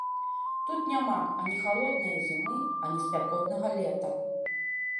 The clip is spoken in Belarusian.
Тут няма ані халоднае зімы, ані спякотнага лета.